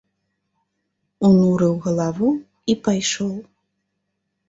Унурыў галаву і пайшоў.